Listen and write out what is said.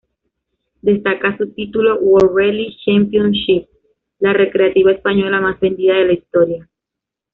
Destaca su título World Rally Championship, la recreativa española más vendida de la historia.